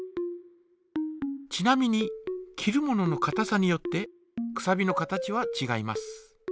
ちなみに切るもののかたさによってくさびの形はちがいます。